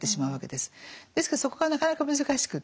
ですからそこがなかなか難しくって。